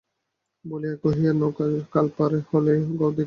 বলিয়া কহিয়া কারো নৌকায় খাল পার হইলেই গাওদিয়ার সড়ক।